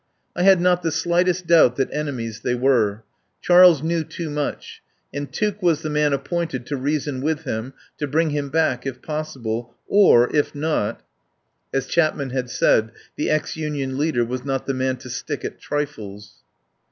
I had not the slightest doubt that enemies they were. Charles knew too much, and Tuke was the man appointed to reason with him, to bring him back, if possible; or, if not As Chapman had said, the ex Union leader was not the man to stick at trifles.